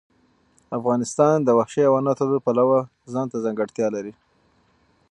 افغانستان د وحشي حیواناتو له پلوه ځانته ځانګړتیا لري.